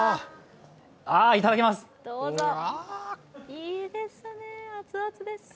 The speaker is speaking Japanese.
いいですね、熱々です。